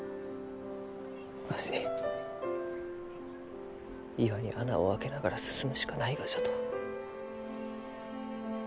わし岩に穴を開けながら進むしかないがじゃと。